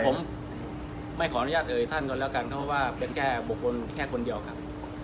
ผมไม่ขออนุญาตเอ่ยท่านก่อนแล้วกันเพราะว่าเป็นแค่บุคคลแค่คนเดียวครับ